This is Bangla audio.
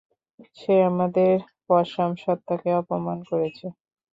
সে আমাদের পসাম সত্ত্বাকে অপমান করেছে।